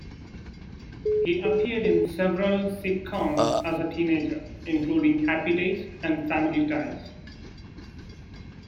He appeared in several sitcoms as a teenager, including "Happy Days" and "Family Ties".